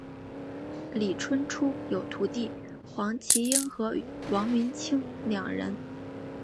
李春初有徒弟黄麒英和王云清两人。